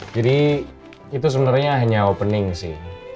itu sebenarnya hanya opening sih